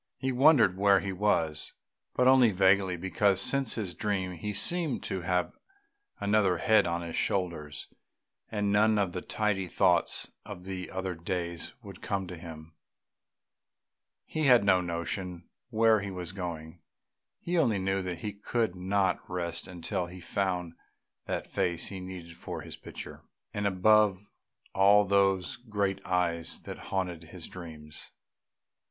He wondered where he was, but only vaguely, because since his dream he seemed to have another head on his shoulders, and none of the tidy thoughts of other days would come to him. He had no notion where he was going; he only knew that he could not rest until he found that face he needed for his picture, and above all those great eyes that haunted his dreams.